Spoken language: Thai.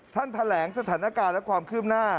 ท่านแถลงสถานการณ์และความขึ้นหน้า